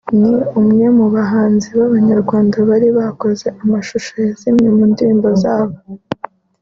ni umwe mu bahanzi b’Abanyarwanda bari barakoze amashusho ya zimwe mu ndirimbo zabo